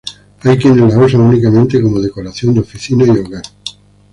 Hay quienes las usan únicamente como decoración de oficina y hogar.